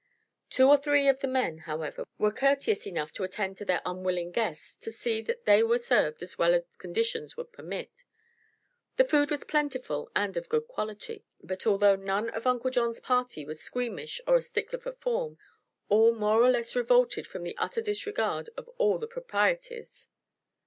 Two or three of the men, however, were courteous enough to attend to their unwilling guests and see they were served as well as conditions would permit The food was plentiful and of good quality, but although none of Uncle John's party was squeamish or a stickler for form, all more or less revolted from the utter disregard of all the proprieties.